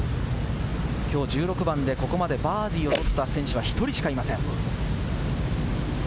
きょう１６番で、ここまでバーディーを取った選手は１人しかいません。